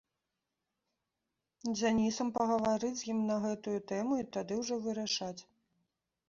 Дзянісам, пагаварыць з ім на гэтую тэму і тады ўжо вырашаць.